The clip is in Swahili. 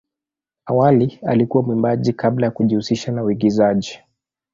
Awali alikuwa mwimbaji kabla ya kujihusisha na uigizaji.